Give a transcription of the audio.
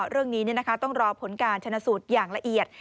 เรื่องนี้ต้องรอผลการชนะสูตรอย่างละเอียด